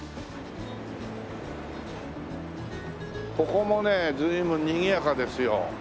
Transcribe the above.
ここもね随分にぎやかですよ。